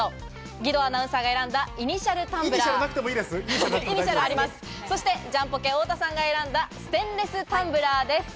義堂アナウンサーが選んだイニシャルタンブラー、ジャンポケ太田さんが選んだステンレスタンブラーです。